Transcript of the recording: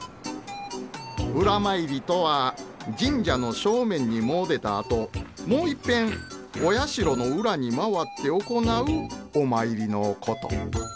裏詣りとは神社の正面に詣でたあともういっぺんお社の裏に回って行うお参りのこと。